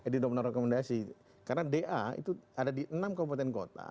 di dua puluh enam rekomendasi karena daa itu ada di enam kabupaten kota